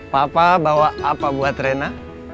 papa bawa apa buat rena